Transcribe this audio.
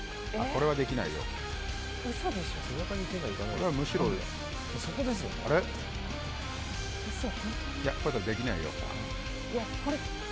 これはできないよ。